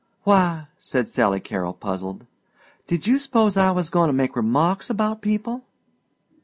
"Why," said Sally Carol, puzzled, "did you s'pose I was goin' to make remarks about people?"